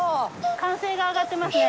歓声が上がってますね。